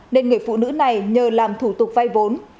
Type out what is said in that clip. nên người phụ nữ này nhờ làm thủ tục vay vốn